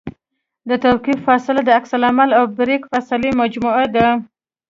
د توقف فاصله د عکس العمل او بریک فاصلې مجموعه ده